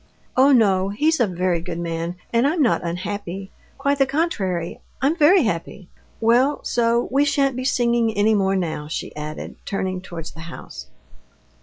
"Oh, no, he's a very good man, and I'm not unhappy; quite the contrary, I'm very happy. Well, so we shan't be singing any more now," she added, turning towards the house.